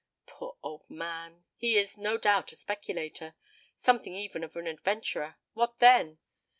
Poor old man! He is, no doubt, a speculator something even of an Adventurer. What then?